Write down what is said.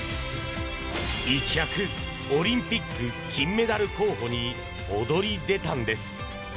一躍、オリンピック金メダル候補に躍り出たんです。